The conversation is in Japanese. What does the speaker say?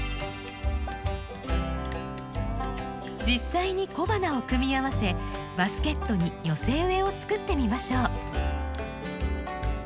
実際に小花を組み合わせバスケットに寄せ植えを作ってみましょう。